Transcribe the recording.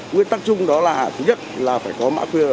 quy tắc chung đó là thứ nhất là phải có mã quyền